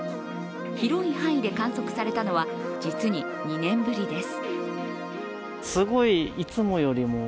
広い範囲で観測されたのは実に２年ぶりです。